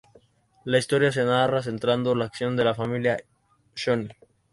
La historia se narra centrando la acción en la familia Shonen.